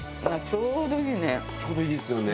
ちょうどいいですよね。